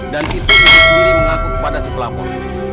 dan itu ibu sendiri mengaku kepada si pelapor